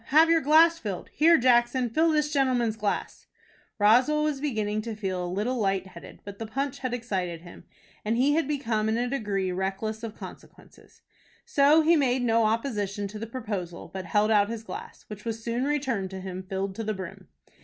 Have your glass filled. Here Jackson, fill this gentleman's glass." Roswell was beginning to feel a little light headed; but the punch had excited him, and he had become in a degree reckless of consequences. So he made no opposition to the proposal, but held out his glass, which was soon returned to him filled to the brim.